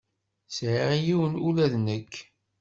Sεiɣ yiwen ula d nekk.